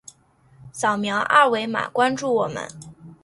扫描二维码关注我们。